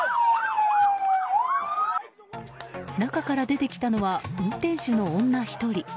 中から出てきたのは運転手の女１人。